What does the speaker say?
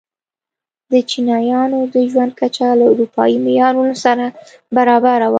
د چینایانو د ژوند کچه له اروپايي معیارونو سره برابره وه.